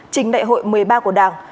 chính đại hội một mươi ba của đảng